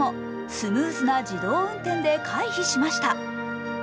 スムーズな自動運転で回避しました。